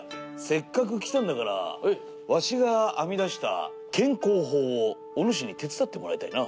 せっかく来たんだからわしが編み出した健康法をお主に手伝ってもらいたいな。